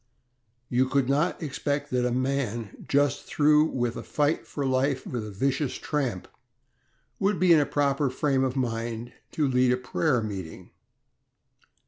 You could not expect that a man just through with a fight for life with a vicious tramp would be in a proper frame of mind to lead a prayer meeting.